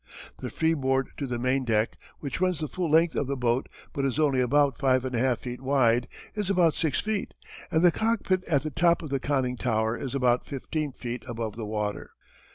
The freeboard to the main deck, which runs the full length of the boat, but is only about 5 1/2 feet wide, is about 6 feet, and the cockpit at the top of the conning tower is about 15 feet above the water.